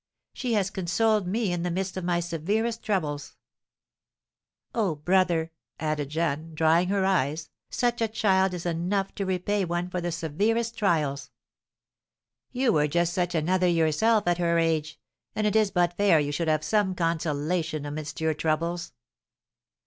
She has consoled me in the midst of my severest troubles. Oh, brother," added Jeanne, drying her eyes, "such a child is enough to repay one for the severest trials!" "You were just such another yourself at her age; and it is but fair you should have some consolation amidst your troubles!"